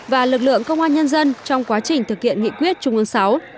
và lực lượng công an nhân dân trong quá trình thực hiện nghị quyết trung ương sáu